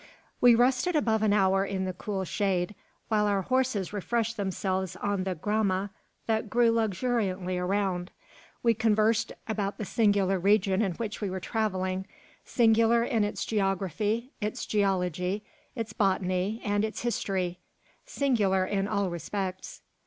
We rested above an hour in the cool shade, while our horses refreshed themselves on the "grama" that grew luxuriantly around. We conversed about the singular region in which we were travelling; singular in its geography, its geology, its botany, and its history; singular in all respects.